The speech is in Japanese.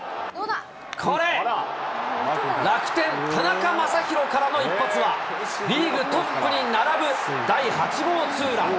これ、楽天、田中将大からの一発は、リーグトップに並ぶ第８号ツーラン。